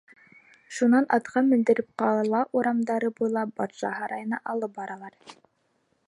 Шунан атҡа мендереп, ҡала урамдары буйлап батша һарайына алып баралар.